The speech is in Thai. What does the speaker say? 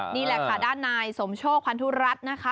นี่แหละค่ะด้านนายสมโชคพันธุรัฐนะคะ